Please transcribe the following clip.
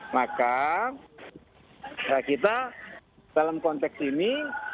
maka kita dalam konteks ini